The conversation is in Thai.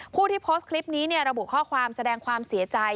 ผู้ที่โพสต์คลิปนี้ระบุข้อความแสดงความเสียใจ